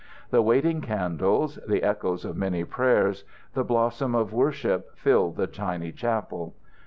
The waiting candles, the echoes of many prayers, the blossom of worship filled the tiny chapel.